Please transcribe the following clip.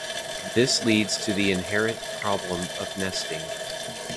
This leads to the inherent problem of nesting.